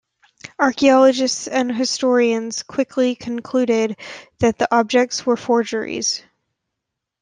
Archaeologists and historians quickly concluded that the objects were forgeries.